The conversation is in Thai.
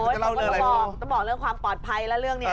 เขาก็ต้องบอกต้องบอกเรื่องความปลอดภัยแล้วเรื่องนี้